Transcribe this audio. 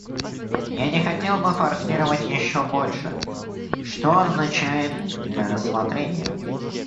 Я не хотел бы форсировать еще больше: что означает "для рассмотрения"?